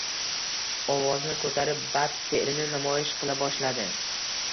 Ovozini ko`tarib, bad fe`lini namoyish qila boshladi